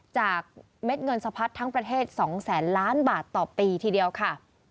เม็ดเงินสะพัดทั้งประเทศ๒แสนล้านบาทต่อปีทีเดียวค่ะ